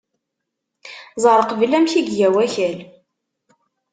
Ẓer qbel amek i iga wakal.